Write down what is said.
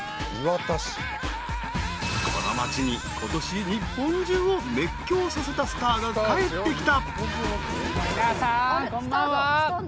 ［この町にことし日本中を熱狂させたスターが帰ってきた］